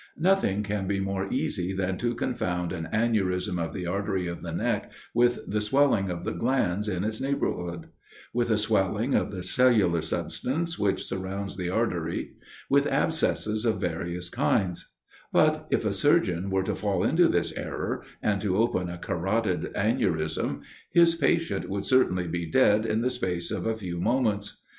Nothing can be more easy than to confound an aneurism of the artery of the neck with the swelling of the glands in its neighborhood: with a swelling of the cellular substance which surrounds the artery; with abscesses of various kinds; but if a surgeon were to fall into this error, and to open a carotid aneurism, his patient would certainly be dead in the space of a few moments.